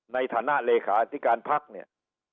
ในฐานะเลขาธิการพักเนี่ย